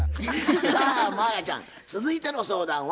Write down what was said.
さあ真彩ちゃん続いての相談は？